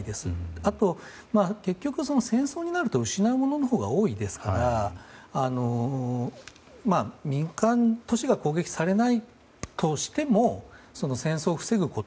あとは結局、戦争になると失うもののほうが多いですから民間、都市が攻撃されないとしても戦争を防ぐこと